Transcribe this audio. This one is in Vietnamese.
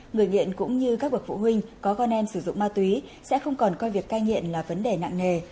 người nghiện cũng như các bậc phụ huynh có con em sử dụng ma túy sẽ không còn coi việc cai nghiện là vấn đề nặng nề